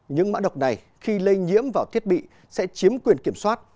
những mã độc này khi lây nhiễm vào thiết bị sẽ chiếm quyền kiểm soát